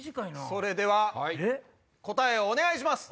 それでは答えをお願いします。